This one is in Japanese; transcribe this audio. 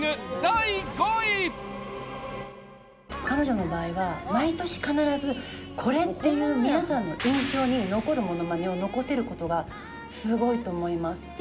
彼女の場合は毎年必ずこれっていう皆さんの印象に残るものまねを残せることがすごいと思います。